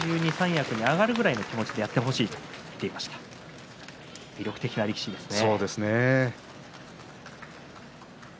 親方にも今年中に三役に上がるくらいの気持ちでやってほしいという話をしていました魅力的な力士ですね。